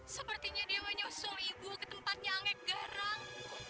sepertinya dia menyusul ibu ke tempatnya angget garang